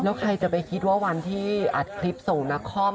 แล้วใครจะไปคิดว่าวันที่อัดคลิปส่งนักคอม